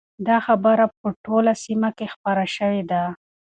دا خبره په ټوله سیمه کې خپره شوې ده.